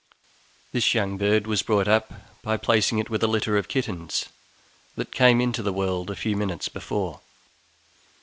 This young bird we brought up by placing it with a litter of kittens that came into the world a few minutes before.